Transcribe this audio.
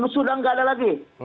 sudah nggak ada lagi